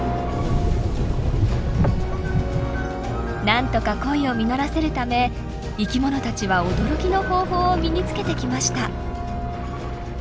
なんとか恋を実らせるため生きものたちは驚きの方法を身につけてきました。